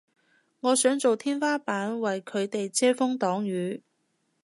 我想做天花板為佢哋遮風擋雨